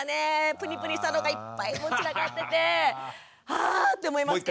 プニプニしたのがいっぱい散らかっててあっ！って思いますけど。